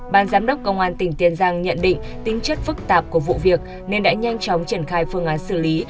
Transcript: ban giám đốc công an tỉnh tiền giang nhận định tính chất phức tạp của vụ việc nên đã nhanh chóng triển khai phương án xử lý